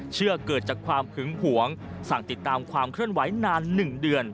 เกิดจากความหึงหวงสั่งติดตามความเคลื่อนไหวนาน๑เดือน